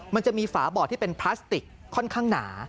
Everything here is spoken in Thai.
มันจะมีฝาบ่อที่เป็นพลาสติกค่อนข้างหนา